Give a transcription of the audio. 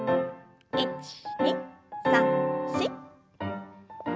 １２３４。